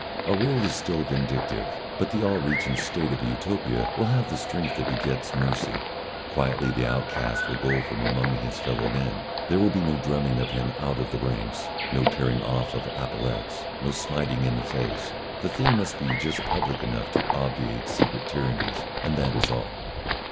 Our world is still vindictive, but the all reaching State of Utopia will have the strength that begets mercy. Quietly the outcast will go from among his fellow men. There will be no drumming of him out of the ranks, no tearing off of epaulettes, no smiting in the face. The thing must be just public enough to obviate secret tyrannies, and that is all.